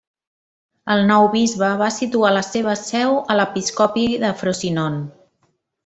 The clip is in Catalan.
El nou bisbe va situar la seva seu a l'episcopi de Frosinone.